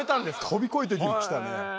飛び越えていきましたね。